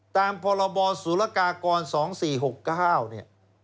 ตามพรบศุลกากร๒๔๖๙เนี่ย